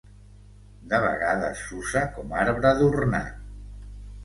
De vegades s'usa com arbre d'ornat.